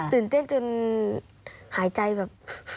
ตื่นเต้นจนหายใจแบบ